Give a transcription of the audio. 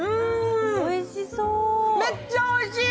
めっちゃおいしい。